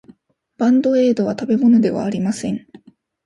バンドエードは食べ物ではありません。